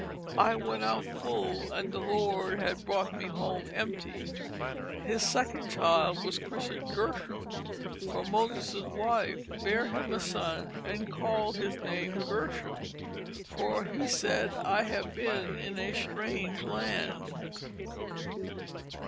I went out full and the Lord hath brought me home empty." His second child was christened Gershom; for Moses' wife "bare him a son and called his name Gershom, for he said I have been in a strange land."